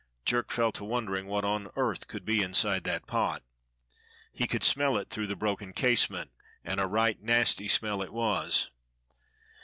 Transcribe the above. Jerk fell to wondering what on earth could be inside that pot. He could smell it through the broken casement, and a right nasty smell it was.